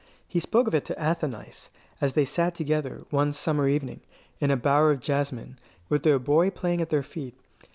He spoke of it to Athenais, as they sat together, one summer evening, in a bower of jasmine, with their boy playing at their feet.